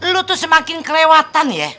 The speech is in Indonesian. lu tuh semakin kelewatan ya